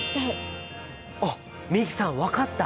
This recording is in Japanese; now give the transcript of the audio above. あっ美樹さん分かった！